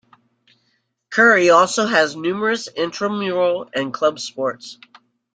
Curry also has numerous intramural and club sports.